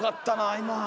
今。